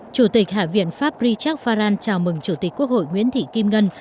chủ tịch hạ viện pháp richard farrand chào mừng chủ tịch quốc hội nguyễn thị kim ngân